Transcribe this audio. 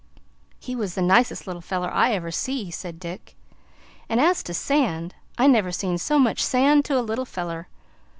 "He was the nicest little feller I ever see," said Dick. "An' as to sand I never seen so much sand to a little feller.